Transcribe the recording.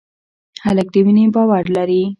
هلک د مینې باور لري.